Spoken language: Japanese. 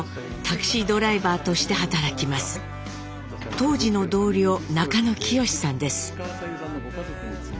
当時の同僚中野清さんです。